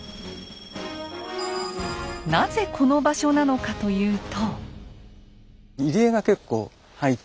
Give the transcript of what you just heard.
なぜこの場所なのかというと。